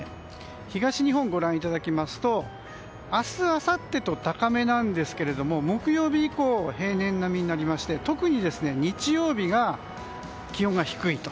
東日本をご覧いただきますと明日あさってと高めなんですが木曜日以降は平年並みになりまして特に日曜日、気温が低いと。